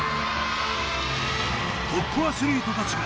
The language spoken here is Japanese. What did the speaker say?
トップアスリート達が